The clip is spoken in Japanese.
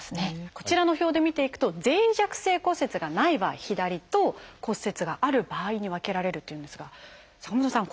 こちらの表で見ていくと脆弱性骨折がない場合左と骨折がある場合に分けられるというんですが坂本さん